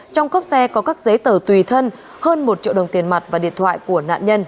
trong cốc xe có các giấy tờ tùy thân hơn một triệu đồng tiền mặt và điện thoại của nạn nhân